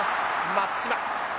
松島。